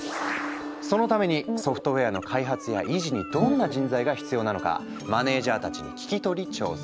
そのためにソフトウェアの開発や維持にどんな人材が必要なのかマネージャーたちに聞き取り調査。